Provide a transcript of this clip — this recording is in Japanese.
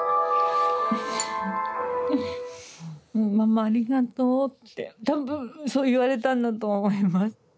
「ママありがとう」って多分そう言われたんだと思います。